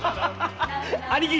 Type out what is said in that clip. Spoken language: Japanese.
兄貴！